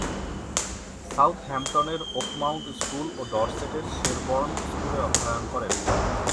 সাউথহ্যাম্পটনের Oakmount school ও ডরসেটের Sherborne স্কুলে অধ্যয়ন করেন।